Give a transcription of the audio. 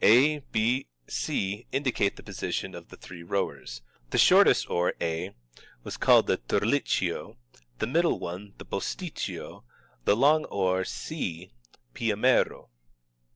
a, b, c, indicate the position of the three rowers. The shortest oar a was called Terlicchio, the middle one b Posticcio, the long oar c Piamero.